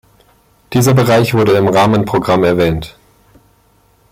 Dieser Bereich wurde im Rahmenprogramm erwähnt.